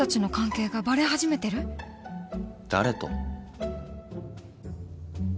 誰と？